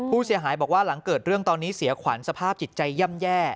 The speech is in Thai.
ผู้เสียหายบอกว่าหลังเกิดเรื่องตอนนี้เสียขวัญสภาพจิตใจย่ำแย่